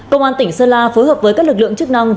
công an tỉnh sơn la phối hợp với các lực lượng chức năng